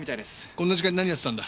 こんな時間に何やってたんだ？